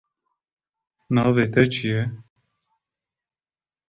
navê te çi ye